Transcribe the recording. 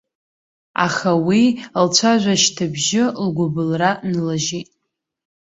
Аха уи лцәажәашьҭыбжьы, лгәыбылра нлыжьит.